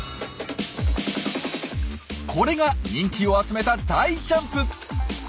これが人気を集めた大ジャンプ！